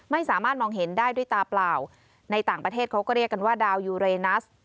ไม่สามารถมองเห็นได้ด้วยตาเปล่าในต่างประเทศเขาก็เรียกกันว่าดาวยูเรนัส